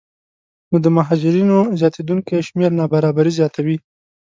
نو د مهاجرینو زیاتېدونکی شمېر نابرابري زیاتوي